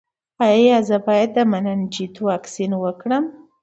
ایا زه باید د مننجیت واکسین وکړم؟